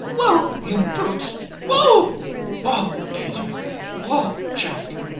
"Whoa, you brutes, whoa!" "Whoa, Peter; whoa, Jack!"